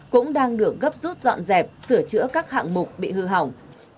cũng đang được gấp rút dọn dẹp sửa chữa các hạng mục bị hư hỏng